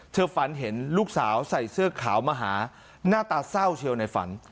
ฝันเห็นลูกสาวใส่เสื้อขาวมาหาหน้าตาเศร้าเชียวในฝัน